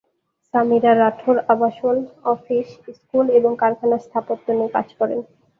সামিরা রাঠোর আবাসন, office, school এবং কারখানা স্থাপত্য নিয়ে কাজ করেন।